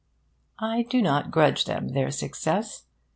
I do not grudge them their success.